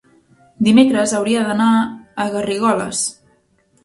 dimecres hauria d'anar a Garrigoles.